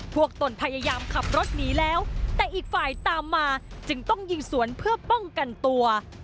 ตนพยายามขับรถหนีแล้วแต่อีกฝ่ายตามมาจึงต้องยิงสวนเพื่อป้องกันตัว